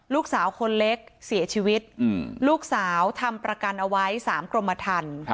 ลูกสาวคนเล็กเสียชีวิตลูกสาวทำประกันเอาไว้๓กรมทัน